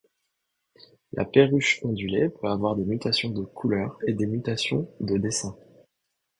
La Perruche ondulée peut avoir des mutations de couleurs et des mutations de dessins.